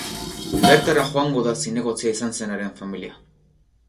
Bertara joango da zinegotzia izan zenaren familia.